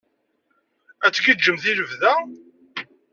Ad tgiǧǧemt i lebda?